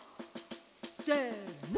せの！